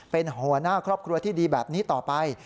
เป็นหัวหน้าครอบครัวที่ดีแบบนี้ต่อไป